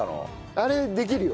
あれできるよ。